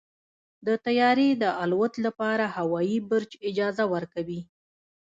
د طیارې د الوت لپاره هوايي برج اجازه ورکوي.